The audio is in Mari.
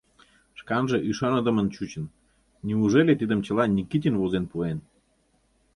Шканже ӱшаныдымын чучын: неужели тидым чыла Никитин возен пуэн?